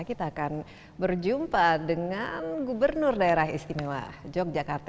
kita akan berjumpa dengan gubernur daerah istimewa yogyakarta